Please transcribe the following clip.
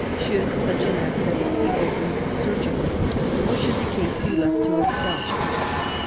Should such an abscess be opened surgically or should the case be left to itself?